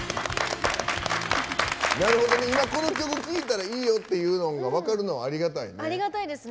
この曲を聴いたらいいよっていうのんが分かるのはありがたいね。